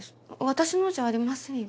私のじゃありませんよ。